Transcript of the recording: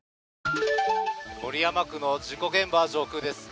守山区の事故現場上空です。